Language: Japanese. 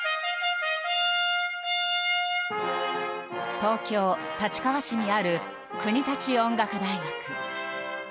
東京・立川市にある国立音楽大学。